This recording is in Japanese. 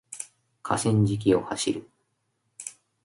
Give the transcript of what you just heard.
河川敷を走る